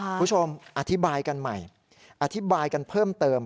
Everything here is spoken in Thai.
คุณผู้ชมอธิบายกันใหม่อธิบายกันเพิ่มเติม